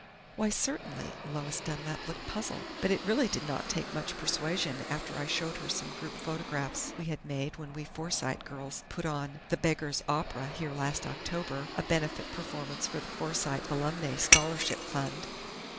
"Why certainly!" Lois Dunlap looked puzzled. "But it really did not take much persuasion after I showed her some group photographs we had made when we Forsyte girls put on 'The Beggar's Opera' here last October a benefit performance for the Forsyte Alumnae Scholarship fund."